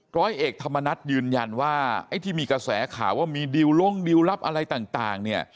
ร้อยเอกธรรมนัฐยืนยันว่าไอ้ที่มีกระแสข่าวว่ามีดิวลงดิวรับอะไรต่างเนี่ย